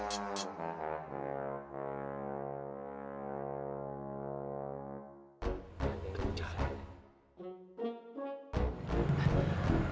nanti keburu tuh